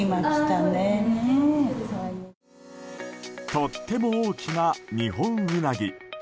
とっても大きなニホンウナギ。